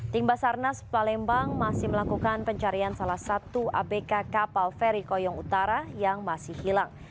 tim basarnas palembang masih melakukan pencarian salah satu abk kapal feri koyong utara yang masih hilang